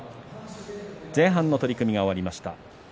前半の取組が終わりました。